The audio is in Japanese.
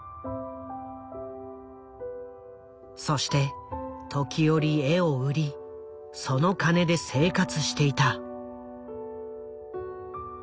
そして時折絵を売りその金で生活していた。